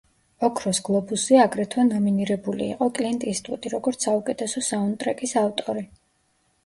ოქროს გლობუსზე აგრეთვე ნომინირებული იყო კლინტ ისტვუდი, როგორც საუკეთესო საუნდტრეკის ავტორი.